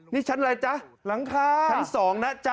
นี่ชั้นอะไรจ๊ะหลังคาชั้น๒นะจ๊ะ